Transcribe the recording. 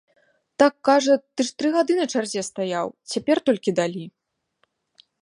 Так, кажа, ты ж тры гады на чарзе стаяў, цяпер толькі далі.